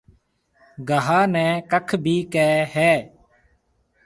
گاها نَي ڪک ڀِي ڪهيَ هيَ۔